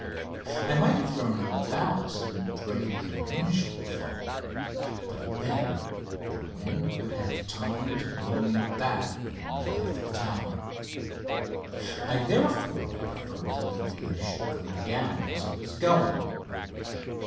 I might have thrown out ballast and greatly diminished the fall, but then the wind would have time to blow me back on the Eiffel Tower. I, therefore, preferred to let the air ship go down as it was going.